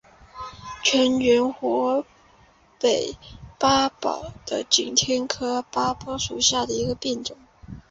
全缘华北八宝为景天科八宝属下的一个变种。